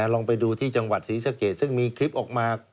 ลองไปดูที่จังหวัดศรีสะเกดซึ่งมีคลิปออกมา